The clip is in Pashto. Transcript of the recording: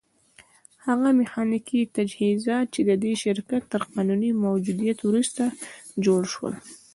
هغه ميخانيکي تجهيزات چې د دې شرکت تر قانوني موجوديت وروسته جوړ شول.